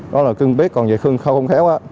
đó là cương quyết còn về khôn khéo